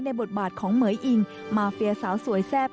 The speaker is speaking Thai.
บทบาทของเหมือยอิงมาเฟียสาวสวยแซ่บ